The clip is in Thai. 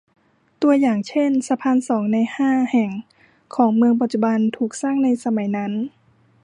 ตัวอย่างเช่น สะพานสองในห้าแห่งของเมืองปัจจุบันถูกสร้างในสมัยนั้น